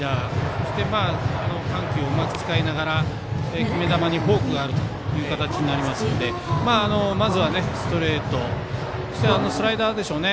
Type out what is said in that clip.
そして、緩急をうまく使いながら決め球にフォークがある形になりますのでまずはストレートそしてスライダーでしょうね。